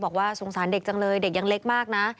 บอกว่าสงสารเด็กจังเลยเด็กยังเล็กมากนะ